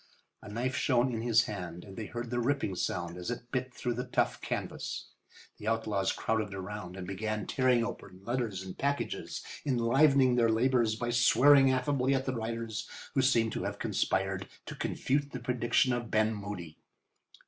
A knife shone in his hand, and they heard the ripping sound as it bit through the tough canvas. The outlaws crowded around and began tearing open letters and packages, enlivening their labours by swearing affably at the writers, who seemed to have conspired to confute the prediction of Ben Moody.